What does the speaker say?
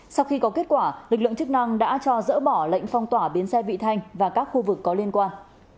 sau khi có kết quả lực lượng chức năng đã cho dỡ bỏ lệnh phong tỏa bến xe vị thanh và các khu vực có liên quan